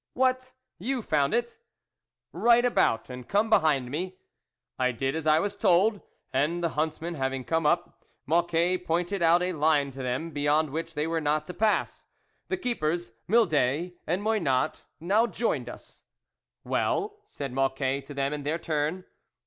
" What, you found it ?"" Right about and come behind me." I did as I was told, and the huntsmen having come up, Mocquet pointed out a line to them beyond which they were not to pass. The keepers Mildet and Moynat now joined us. " Well ?" said Mocquet to them in their turn.